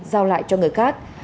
giao lại cho người dân